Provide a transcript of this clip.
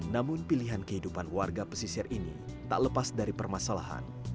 namun pilihan kehidupan warga pesisir ini tak lepas dari permasalahan